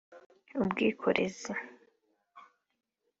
ubwikorezi